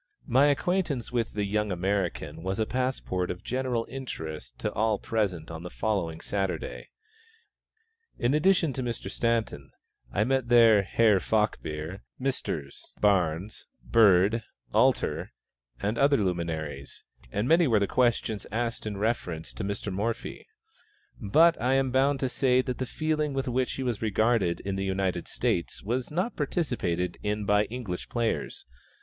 My acquaintance with the young American was a passport of general interest to all present on the following Saturday. In addition to Mr. Staunton, I met there Herr Falkbeer, Messrs. Barnes, Bird, "Alter," and other luminaries, and many were the questions asked in reference to Mr. Morphy. But I am bound to say that the feeling with which he was regarded in the United States was not participated in by English players.